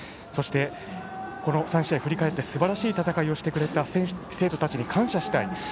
そして、この３試合を振り返ってすばらしい戦いをしてくれた生徒たちに感謝したい。